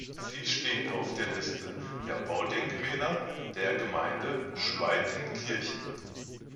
Sie steht auf der Liste der Baudenkmäler der Gemeinde Schweitenkirchen.